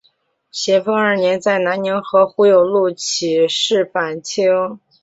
咸丰二年在南宁和胡有禄起事反清。